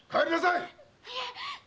いえ